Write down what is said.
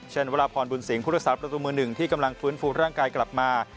เช่นวรพบุญสิงผู้ลักษณะประตูมือ๑ที่กำลังฟื้นฟูกร่างกายกลับมา